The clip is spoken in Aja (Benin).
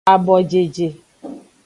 Abojeje.